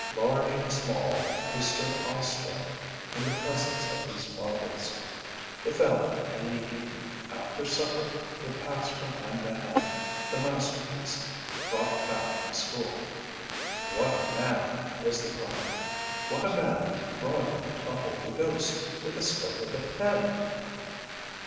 Large and small, we stood awestruck in the presence of these marvels. The family, in the evening, after supper, would pass from hand to hand the masterpiece brought back from school: 'What a man!' was the comment. 'What a man, to draw you a Holy Ghost with a stroke of the pen!'